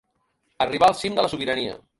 Arribar al cim de la sobirania.